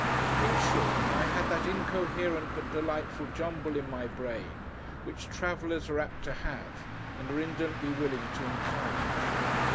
In short, I had that incoherent but delightful jumble in my brain, which travellers are apt to have, and are indolently willing to encourage.